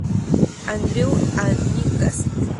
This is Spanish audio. Andrew en Newcastle.